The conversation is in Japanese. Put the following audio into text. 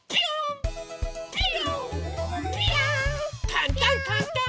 かんたんかんたん！